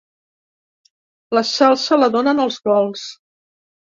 La salsa la donen els gols.